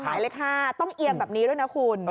หมายเลข๕ต้องเอียงแบบนี้ด้วยนะคุณ